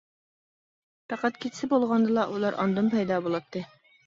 پەقەت كېچىسى بولغاندىلا ئۇلار ئاندىن پەيدا بولاتتى.